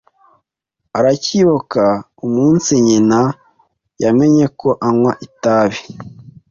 Aracyibuka umunsi nyina yamenye ko anywa itabi.